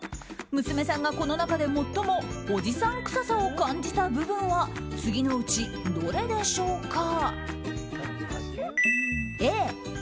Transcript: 娘さんがこの中で最もおじさん臭さを感じた部分は次のうちどれでしょうか。